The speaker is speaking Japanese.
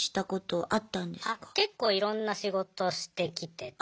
結構いろんな仕事してきてて。